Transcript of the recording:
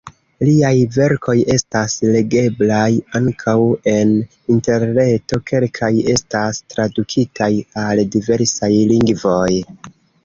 Liaj verkoj estas legeblaj ankaŭ en interreto, kelkaj estas tradukitaj al diversaj lingvoj.